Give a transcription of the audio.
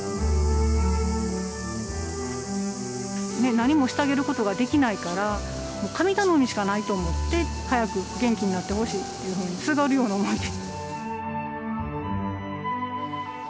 何もしてあげることができないから神頼みしかないと思って早く元気になってほしいっていうふうにすがるような思いで。